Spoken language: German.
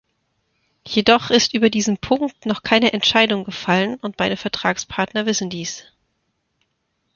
Jedoch ist über diesen Punkt noch keine Entscheidung gefallen und beide Vertragspartner wissen dies.